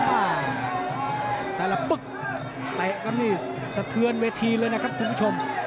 อ้าวแต่ละปึ๊บแต่ละนี่สะเทือนเวทีเลยนะครับคุณผู้ชม